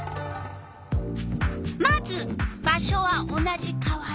まず場所は同じ川原。